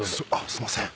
すいません。